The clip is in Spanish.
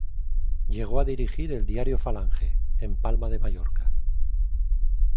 Llegó a dirigir el diario "Falange", en Palma de Mallorca.